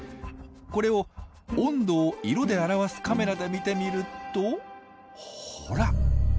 これを温度を色で表すカメラで見てみるとほら。